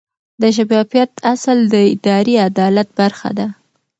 د شفافیت اصل د اداري عدالت برخه ده.